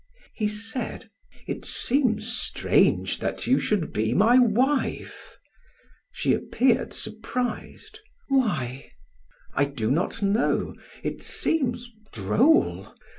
He said: "It seems strange that you should be my wife." She appeared surprised: "Why?" "I do not know. It seems droll.